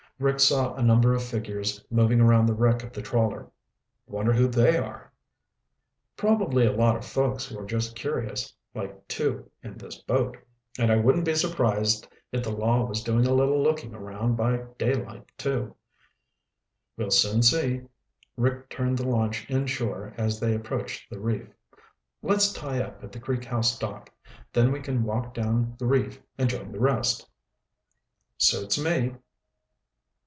Rick saw a number of figures moving around the wreck of the trawler. "Wonder who they are?" "Probably a lot of folks who are just curious like two in this boat. And I wouldn't be surprised if the law was doing a little looking around by daylight, too." "We'll soon see." Rick turned the launch inshore as they approached the reef. "Let's tie up at the Creek House dock. Then we can walk down the reef and join the rest." "Suits me."